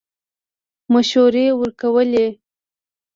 مشورې ورکولې.